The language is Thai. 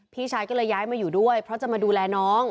พี่ชายก็เลยย้ายมาอยู่ด้วยเพราะจะมาดูแลน้อง